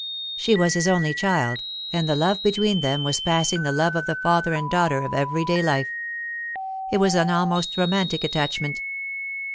She was his only child, and the love between them was pass ing the love of the father and daughter of every day life. It was an almost romantic attachment.